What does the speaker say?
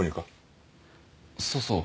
そうそう。